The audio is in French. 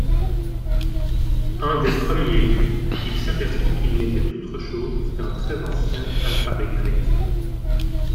Un des premiers, il s’aperçut qu’il n’était autre chose qu’un très ancien alphabet grec.